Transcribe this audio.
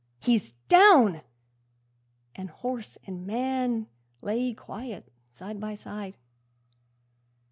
he's down!' And horse and man Lay quiet side by side!